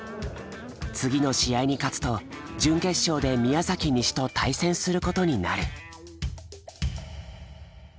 次の試合に勝つと準決勝で宮崎西と対戦することになる。